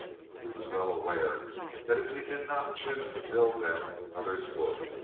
He was well aware that if he did not choose to build them others would.